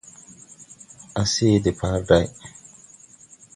A see de parday.